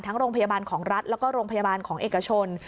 โรงพยาบาลของรัฐแล้วก็โรงพยาบาลของเอกชน